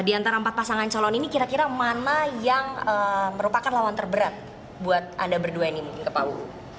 di antara empat pasangan calon ini kira kira mana yang merupakan lawan terberat buat anda berdua ini mungkin ke pak uu